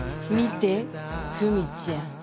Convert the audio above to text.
見て久美ちゃん。